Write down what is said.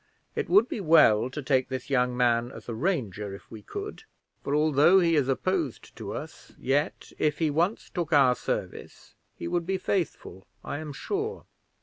It would be well to take this young man as a ranger if we could; for although he is opposed to us, yet, if he once took our service, he would be faithful, I am sure.